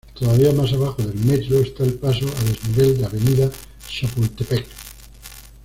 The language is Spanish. Todavía más abajo del Metro está el paso a desnivel de Avenida Chapultepec.